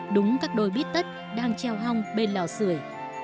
đúng các đôi bít tất đang treo hong bên lò sửa